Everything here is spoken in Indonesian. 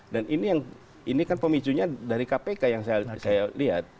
dan ini yang ini kan pemicunya dari kpk yang saya lihat